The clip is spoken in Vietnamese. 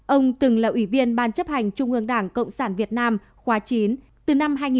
ông từng là ủy viên ban chấp hành trung ương đảng cộng sản việt nam khóa chín từ năm hai nghìn một đến hai nghìn sáu